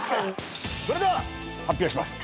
それでは発表します。